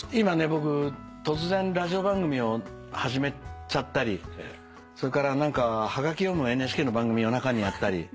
僕突然ラジオ番組を始めちゃったりそれから何かはがき読むＮＨＫの番組夜中にやったり。